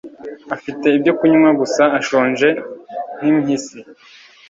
Afite ibyo kunywa gusa ashonje nk impyisi